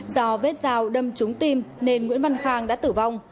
do vết dao đâm trúng tim nên nguyễn văn khang đã tử vong